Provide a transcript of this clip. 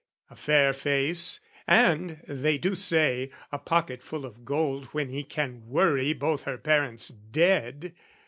A fair face, "And they do say a pocket full of gold "When he can worry both her parents dead.